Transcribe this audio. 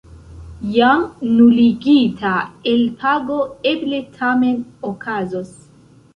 Jam nuligita elpago eble tamen okazos.